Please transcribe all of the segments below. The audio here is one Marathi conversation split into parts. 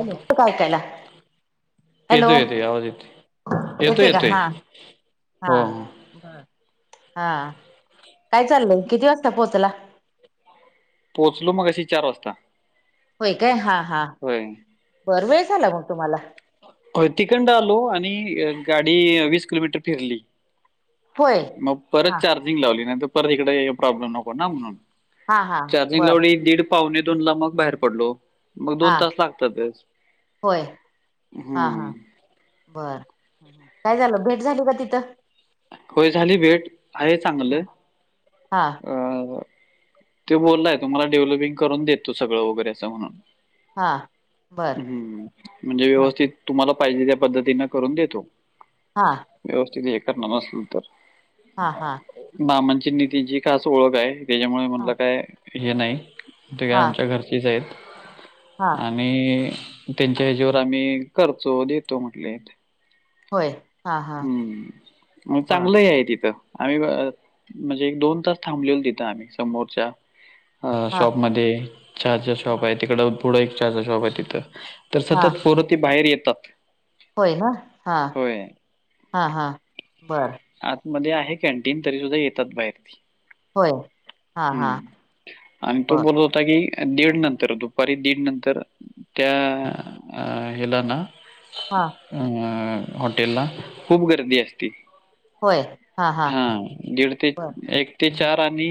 हॅलो तू काव त्याला हॅलो येतोय येतोय आवाज येतोय येतोय येते का येतोय हा, हा हो हो हा काय चाललंय किती वाजता पोहोचला पोहोचलो मगाशी चार वाजता होय काय हा, हा होय बर वेळ झाला मग तुम्हाला होय तिखंड आलो आणि गाडी वीस किलोमीटर फिरली होय मग परत हा चार्जिंग लावली नाही तर परत इकडे हे प्रॉब्लेम नको ना म्हणून हा हा चार्जिंग बर लावली दीड पावुणे दोन ला मग बाहेर पडलो मग दोन हा तास लागतातच होय हा हम्म हा बर काय झालं भेट झाली का तिथं होय झाली भेट आहे चांगलं हा अ त्यो बोललाय तुम्हाला डेव्हलपिंग करून देतो सगळं वगैरे असं म्हणून हा बर हम्म म्हणजे हा व्यवस्थित तुम्हाला पाहिजे त्या पद्धतीने करून देतो हा व्यवस्थित हे करणार असल तर हा, हा मामांची अन नितीनची खास ओळख आहे त्याच्यामुळे म्हणलं काय हे नाही ते हा आमच्या घरचीच आहेत हा आणि आणि त्यांच्या ह्याच्यावर आम्ही करचो देतो म्हटले होय हा हा हम्म बर चांगलंही आहे तिथं आम्ही म्हणजे एक दोन तास थांबलेल तिथं आम्ही समोरच्या अ हा शॉप मध्ये चार्जर शॉप आहे हा तिकड पुुढं एक चार्जर शॉप आहे तिथं. तर सतत फोर ती बाहेर येतात. होय ना, हा होय हा हां बरं. आतमध्ये आहे कॅनटीन तरी सुद्धा येतात बाहेरबी. होय हा हा हम्म, आणि तो बर बोलत होता की, दीड नंतर दुपारी दीड नंतर त्या अ ह्याला ना, हा, अ हॉटेलला खूप गर्दी असते. होय. हा दीड ते एक ते चार आणि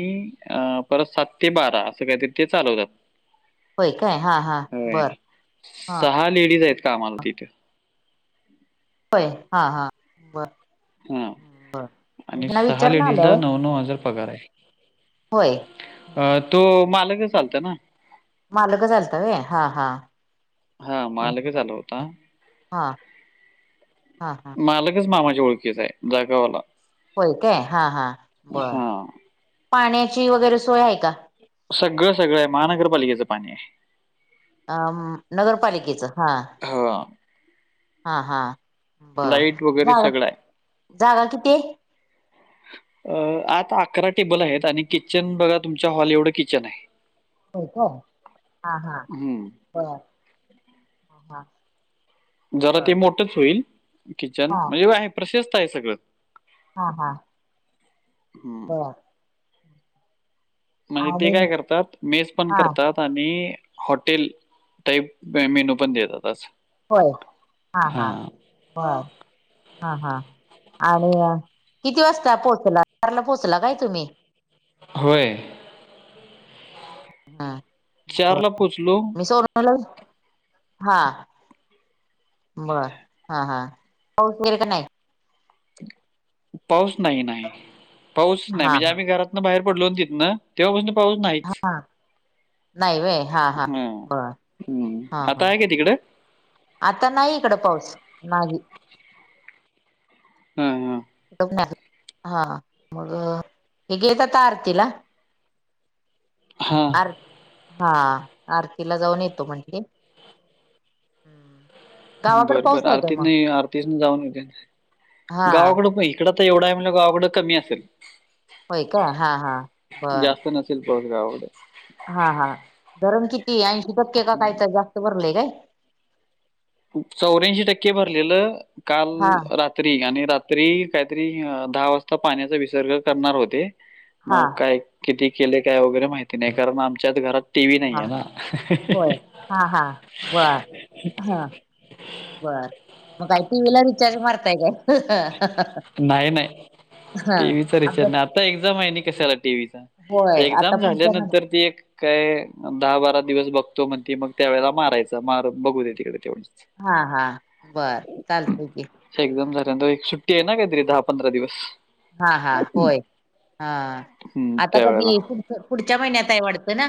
अ परत सात ते बारा असं काहीतरी ते चालवतात. होय काय हा हा होय. बरं. सहा लेडीज आहेत कामाला तिथं. होय हा हा बर. हा मी आणि त्यांना सहा विचारला लेडीज ला आल्यावर नऊ नऊ हजार पगार आहे. होय. अ तो मालकच आलता ना, मालकच आलतां व हा हा, हा मालकच आला हा होता. हा हा मालक मामाच्या ओळखीचा आहे जागावाला. होय काय हा हा बर, हा पाण्याची वगैरे सोय आहे का? सगळं सगळं आहे. महानगरपालिकेचं पाणी आहे. अ नगरपालिकेचं हा हां, हा हा, बर लाईट वगैरे जागा सगळं आहे. जागा किती आहे. अ आत अकरा टेबल आहेत आणि किचन बघा तुमच्या हॉल एवढं किचन आहे. हा हा हं. बर हा हा, जरा ते मोठंच होईल किचन हा म्हणजे आहे प्रशस्त आहे सगळं. हा हा, हं, तवा म्हणजे ते आणि काय करतात मेस पण हा करतात. आणि हॉटेल टाईप मेनू पण देतात असं होय. हा हा हां, बर, हा हा, आणि किती वाजता पोहोचला घरला पोहोचला काय तुम्ही होय. ह बर ला पोहोचलो, मी [unintelligible] हा, बर हा हा, पाऊस येल का नाही. पाऊस नाही नाही पाऊस नाही हा म्हणजे हा आम्ही घरात न बाहेर पडलो तितनं तेव्हापासनं पाऊस नाहीच. नाही वय. हा हम्म, आता हा आहे का तिकडं आता नाही इकडं पाऊस नाही हा हा, [unintelligible] हा मग हे गेले आता आरतीला. हां. आर हा आरतीला जाऊन येतो म्हंटले. बर बर आरतीत नाही आरतीत ना जाऊन येऊ देत हा गावाकडं पहि- इकडं आता एवढा आहे म्हंटल्यावर गावाकडं कमी असेल. होय का हा हा बरं शिल्प आवडे [inaudible] हा हा धरण किती ऐंशी टक्के का काय तर जास्त भरलंय काय? चौऱ्याएंशी टक्के भरलेलं हा काल- आणि रात्री काहीतरी दहा वाजता पाण्याचा विसर्ग करणार होते. हा मग काय किती केले काय वगैरे माहिती नाही कारण आमच्यात घरात, टीव्ही नाहीये ना. होय हा हा बर हा बर मगय टी वला रिचारज मताय आहेे नाही, नाही. [inaudible] हा टीव्हीचा रिचार्ज अभस [inaudible] नाही. आता एक्झाम आहे ना, कशाला टीव्हीचा होय आता एक्झाम पुढच्या महिन्यात झाल्यानंतर ती एक, काय दहा बारा दिवस बघतो म्हणती मग त्या वेळेला मारायचं मार बघू दे तिकडे तेवढ. हा हा बर चालते की एकदम हम्म. झालेत ओ एक सुट्टी आहे ना काही तरी दहा पंधरा दिवस. हा हा होय हा हम्म, आता त्यावेळेला कधी- पुढच्या महिन्यातय हाय वाटतं ना.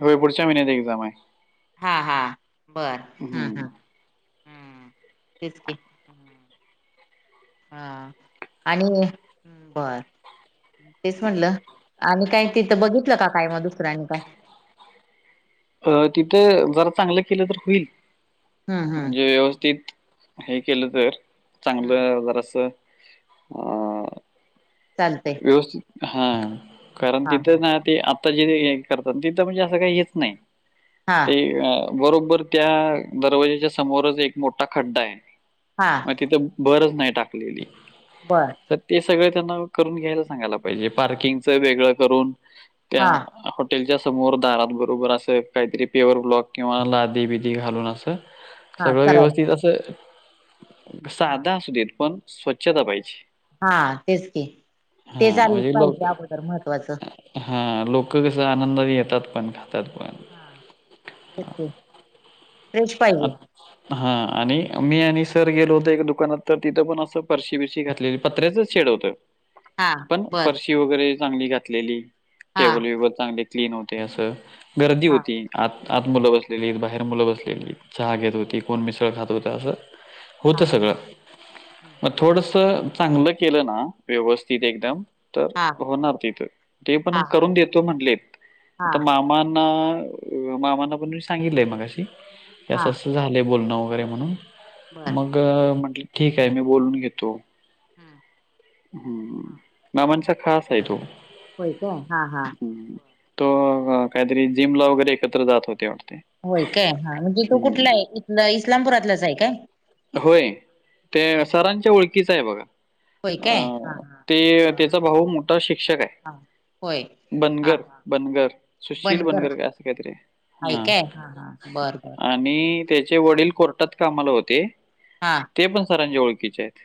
होय पुढच्या महिन्यात एक्झाम आहे हा हा बर हम्म हम् हम्म तेच की. हा आणि बरं तेच म्हटलं, आणि काय तिथं बघितलं का काय मग दुसर आणि. अ तिथं जरा चांगलं केलं तर होईल हम्म हम्म. म्हणजे बर. व्यवस्थित. हे केलं तर हम्म चांगलं जरा अस अ- चालतंय. व्यवस्थित हा कारण तिथं ना ते- आता जे करतात तिथं म्हणजे असं काही हेच नाही. हा ते बरोबर त्या दरवाजाच्या समोरच एक मोठा खड्डा आहे. हा मग तिथं भरच नाही टाकलेली. बरं तर ते सगळं त्यांना करून घ्यायला सांगायला पाहिजे पार्किंगच वेगळं करून, हा त्या तेनच्या समोर दारात बरोबर असं काहीतरी पेअर ब्लॉक किंवा लादी बदी घालून असं- हा सगळं करायला व्यवस्थित असं, हा साधा असू देत पण स्वच्छता पाहिजे. हा तेच की ते हा चाले म्हणजे लोक पाहिजे अगोदर महत्त्वाचं. हा लोक कस आनंदात येतात पण खातात पण. हा तेच पाहिजे. हा आणि मी आणि सर गेलो होतो, एक दुकानात तर तिथं पण असं परशी बिरशी घातलेली पत्रेचच, शेड होतं. हा पण बर परशी वगैरे चांगली घातलेली हा टेबल विबल चांगली- क्लीन होते असं गर्दी हा होती आत आत मुलं बसलेलीत बाहेर मुलं बसलेली. चहा घेत होती, कोण मिसळ खात होत, असं हा होतं सगळं हम्म मग हम्म थोडंसं - चांगलं केलं ना व्यवस्थित एकदम, तर हा होणार तिथं ते हा पण हा करून देतो म्हटलेत. आता हा मामाांना अ मामाांना पण सांगितलंय मगाशी. की असं हा असं झालंय बोलणं वगैरे म्हणून. बर मग मग म्हटलं ठीक आहे मी बोलून घेतो. हम्म [inaudible] हम्म. बाबांचा खास आहे तो. होय का? हा हा. तो काहीतरी जिम ला वगैरे एकत्र जात होते वाटते. होय काय? हा, म्हणजे तो हं. कुठला आहे? इथंन इस्लामपुरातलंच आहे काय? होय. ते हम्म हम्म सरांच्या ओळखीच आहे बघा. होय काय? हा अं हा ते बर त्याचा भाऊ मोठा शिक्षक आहे. हा. होय हा बनगर, बनगर सुशील बनगर काय असं काय तरी आहे. हां. ऐकाय, हा, हा. बरं बरं. आणि त्याचे वडील कोर्टात कामाला होते. हां ते पण सरांचे ओळखीचे आहेत.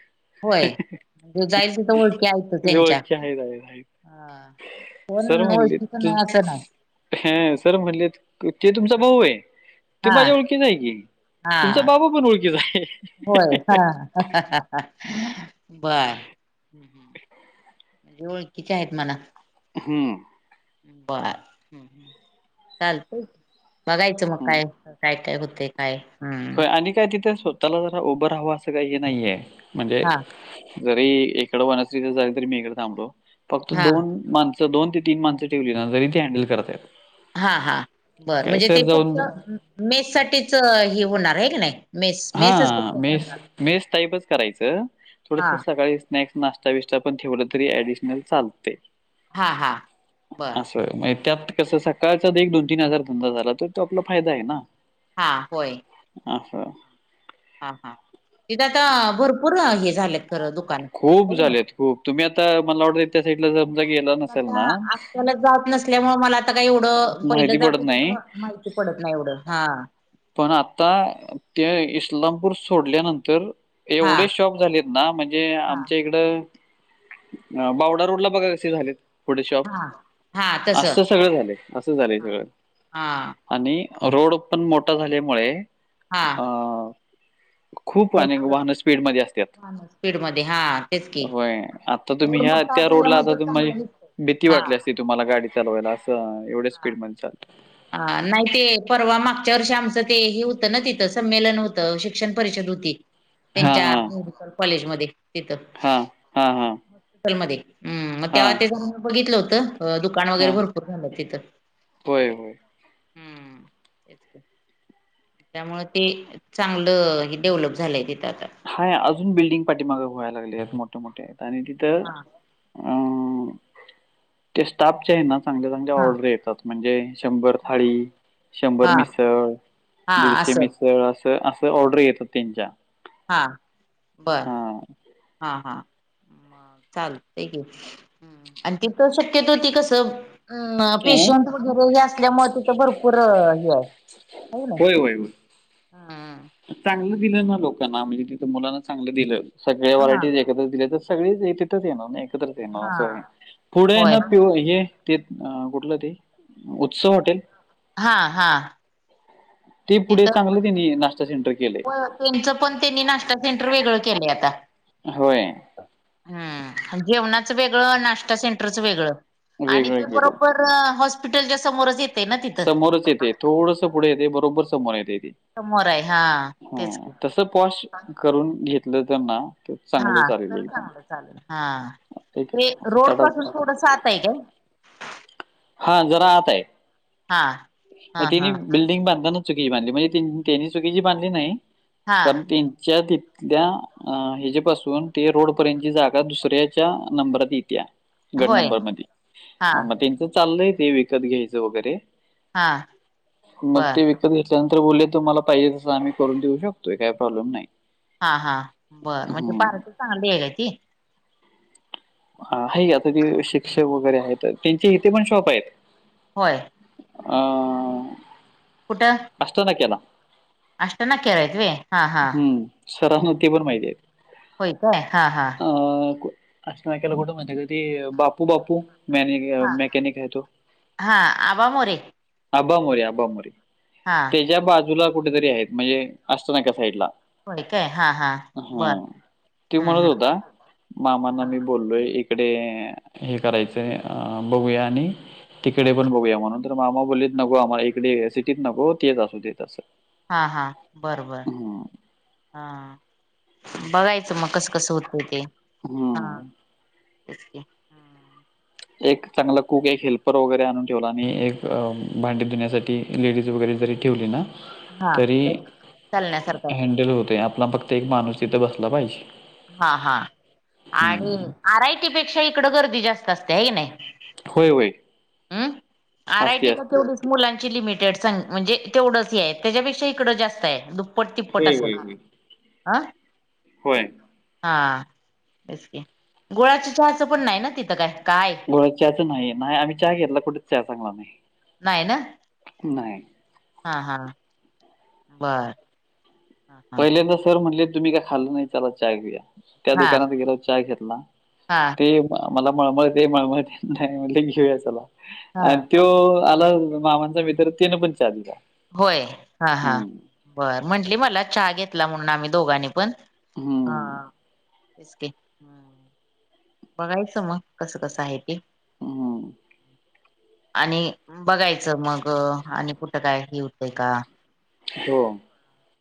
होय, तु जाईल तिथं ओळखी आहेत त्यांच्या. ओळखी आहेत, आहेत, आहेत. कोण ओळखीचं नाय, असं नाय. हं सर म्हणलेत, ते तुमचा भाऊ आहे. ते हा माझ्या ओळखीनं आहे की. तुमचा हा. बाबा पण ओळखीचा आहे. होय हा. बरं ओळखीचे आहेत म्हणा. हम्म. बरं हं [inaudible] चालतंय, बघायचं मग हं. काय काय काय होते काय होय. आणि काय तिथे स्वतःला जरा उभं राहावं, असं काही हे नाहीये. म्हणजे हा जरी इकडं [unintelligible] झाली तरी मी इकड थांबतो. फक्त हा. दोन मान दोन ते तीन माणसं ठेवली ना, तरी ते हँडल करता येतात. हा हा बरं. म्हणजे ते फक्त जाऊन मेस साठीच हे होणार आहे की नाही. मेस, मेसेच हां, फक्त मेस चालणार. मेस टाईपच करायचं. थोडसं हां सकाळी स्नेक नाश्ता बिश्ता पण ठेवलं, तरी ऍडिशनल चालतंय. हां हां [inaudible] बरं असं म त्यात कसं स सकाळचा एक दोन तीन हजार धंदा झाला तरी तो आपला फायदा आहे ना. हा होय. असं हा हा. तिथे आता भरपूर हे झालेत खरं दुकानं खूप हो ना झालेत खूप. तुम्ही आता मला आवड त्या साईडला समजा गेला मी नसेल आता ना, आजकालच जात नसल्यामुळे, मला आता का एवढं पहिलं माहिती जात पडत होतं नाही. तेव्हा, माहिती पडत नाही एवढं. हा पण आता ते इस्लामपूर सोडल्यानंतर हां एवढेच शॉप झालेत ना. म्हणजे हां आमच्या इकडं अ बावडा रोड ला बघा कसे झालेत फोटोशॉप. हां हां तसं असंच सगळं झालंय, असं झालंय सगळं. हा. आणि रोड पण मोठा झाल्यामुळे हा. अं, [inaudible] खूप अनेक वाहन स्पीड मध्ये असतात. वाहनं स्पीडमध्ये हां तेच की होय आ आता तुम्ही रोड ह्या मोठा त्या रोडला झाल्यामुळे आता ते तुझी, चांगलं दिसतंय भीती हां वाटली असतील. तुम्हाला गाडी चालवायला असं, एवढे स्पीड मध्ये चालते. अ नाही ते परवा मागच्या वर्षी आमचं ते हे होतं ना, तिथं संमेलन होत शिक्षण परिषद होती. हा त्यांच्या हा मेडिकल कॉलेज मध्ये तिथ हा हा हा हॉस्पिटल मध्ये. हम्, मग हा तेव्हा ते जाऊ बघितलं होतं दुकान वगैरे हा भरपूर झालं. तिथं हम्म तेच [inaudible] की त्यामुळे ते, चांगलं हे डेव्हलप झालंय तिथं आता. हाय अजून बिल्डिंग पाठीमाग व्हाय लागले आहेत. मोठे मोठे आणि तिथं.. हा अ, ते स्टाफ च आहे ना... चांग- चांगल्या हा ऑर्डर येतात. म्हणजे शंभर थाळी, शंभर हा मिसळ हा असं. अस- असं ऑर्डर येतात त्यांच्या. हां, बरं, हां. हां हां चालतय की, आणि तिथ शक्यतो ती कसं.. अ अं, पेशंट वगैरे हे असल्यामुळे तिथं भरपूर हे आहे. हाय की नाय? असं होय. [unintelligible] चांगलं दिलं ना लोकांना म्हणजे तिथं मुलाना चांगलं दिलं सगळे हा व्हरायटीज एकत्र दिले तर सगळे तिथच येणार ना, एकत्रच येणार हा असं आहे. पुढं आहे होय ना पि हे तेच कुठलं ते? उत्सव हॉटेल. हा, हा ते पुढे तिथं, चांगलं त्यांनी नाश्ता सेंटर केलंय. त्यांचं पण त्यांनी नाश्ता सेंटर वेगळं केलं आता. होय. हम्, जेवणाच वेगळं, नाश्ता सेंटरचं वेगळं, आणि वेगळं ते केलंय. बरोबर हॉस्पिटलच्या समोरच येत. समोरच येते. थोडसं पुढे येते. बरोबर समोर येतेे. समोर आहे. हा तेच पॉश करून घेतलं त्यांना हा तर चांगलं चालेल, हा ठीक ते आहे. रोड सात-आठ पासून हजार. थोडं आत आहे का? हा जरा आत आहे. हा हा तिने हा बिल्डिंग बांधताना चुकी बांधली म्हणजे त्यांनी चुकीची बांधली नाही, हा कारण त्यांच्या.. त्या ह्याच्या पाासून ते रोड पर्यंतची जागा दुसऱ्याच्या नंबरात येते. गट होय नंबर मध्ये, हा त्यांचं चाललंय ते विकत घ्यायचं वगैरे हा मग बर ते वि.. घेतल्यानंतर बोलले तुम्हाला पाहिजे तस आम्ही करून देऊ शकतोय काही प्रॉब्लेम नाही. हा हा बरं, म्हणजे हं पार्टी चांगली काय ती? हाय की आता ज शिक्षक वगैरे आहेत. त्यांचे इथे पण शॉप आहेत. होय. अ कुठं? आष्टा नाक्याला आष्टा नाक्यावर हायत व्ह्य, हां हां हम्म सरांना ते पण माहितीयं. होय काय? हा हा अ नाक्याला कुठंय माहितीय? क ते बापू बापू. म हा मेकॅनिक हाय तो हा आबा मोरे आबा मोरे आबा मोरे. हा. त्याच्या बाजूला कुठेतरी आहेत. म्हणजे आष्टा नाका साईडला. होय काय हा हा बर ते हम्म म्हणत हम्म होता. मामाना मी बोललोय इकडे हे करायचंय बघूया आणि तिकडे पण बघूया म्हणून. तर मामा बोलीत नको आम्हाला इकडे सिटीत नको तेच असू दे तसं. हा हा बरोबर हा बघायच मग कस कसं होत ते हा. हम्म एक चांगला कूक एक हेल्पर वगैरे आणून ठेवला आणि एक भांडी धुण्यासाठी. लेडीज वगैरे जरी ठेवली ना हा तरी तर चालण्यासारखं हँडल होते आपला फक्त. एक माणूस तिथं बसला पाहिजे. हा हा आणि हम्म आरआयटी पेक्षा इकड गर्दी जास्त असते ह की नाही. होय होय हम्म असते आरायटी ना असते तेवढीच. मुलांची लिमिटेड म्हणजे तेवढंच आहे त्याच्यापेक्षा इकडं जास्त आहे. पोट टिपपोट होय असल होय होय हं. होय. हा बसक गुळाची चहाचं पण नाही ना तिथं काय काय. गुळा चाच नाही आम्ही चहा घेतला कुठेच चहा चांगला नाही. नाही ना नाही हा हा बर. हा हा पहिल्यांदा सर म्हटले तुम्ही काय खाल्ल नाही चला चहा घेऊया. त्या हा दुकानात गेलो चा घेतला हा ते. मला मळमळते मळमळते नाही म्हण ते घेऊया चला. हा आणि तो आला मामांचा मित्र तिन पण चा दिला. होय हा हां हम्म बर म्हंटली मला चहा घेतला म्हणून आम्ही दोघांनी. पण हम्म हाचक. बघायचं मग कसं कसं आहे ते. ह. आणि बघायचं मग आणि कुठं काय हे होतंय का. हो.